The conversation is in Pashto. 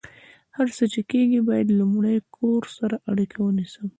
هر څه چې کیږي، باید لمړۍ کور سره اړیکه ونیسم